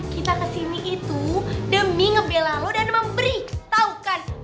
kita kesini itu demi nge bye lah lo dan memberi wurstahukan